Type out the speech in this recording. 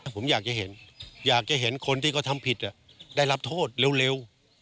ผมอยากจะเห็นอยากจะเห็นคนที่เขาทำผิดได้รับโทษเร็ว